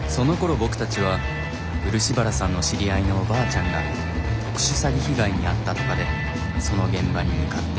僕たちは漆原さんの知り合いのおばあちゃんが特殊詐欺被害に遭ったとかでその現場に向かっていて。